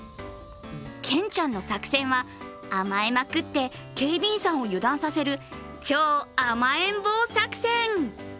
ケンちゃんの作戦は、甘えまくって警備員さんを油断させる超甘えん坊作戦。